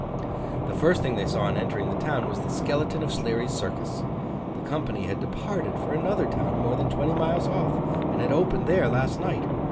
The first thing they saw on entering the town was the skeleton of Sleary's Circus. The company had departed for another town more than twenty miles off, and had opened there last night.